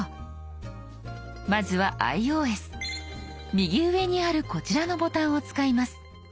右上にあるこちらのボタンを使います。